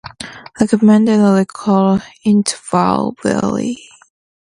Recommended recall intervals vary.